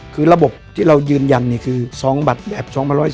คือระบบที่เรายืนยันคือ๒บัตรแอบ๒๐